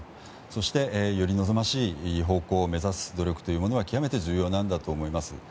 そして、より望ましい方向を目指す努力が極めて重要なんだと思います。